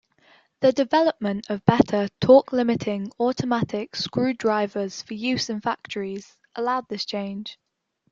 The development of better torque-limiting automatic screwdrivers for use in factories allowed this change.